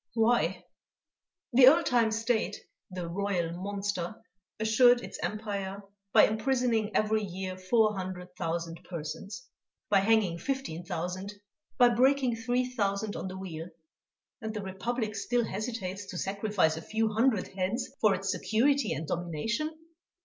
"Why! the old time state, the Royal monster, assured its empire by imprisoning every year four hundred thousand persons, by hanging fifteen thousand, by breaking three thousand on the wheel and the Republic still hesitates to sacrifice a few hundred heads for its security and domination!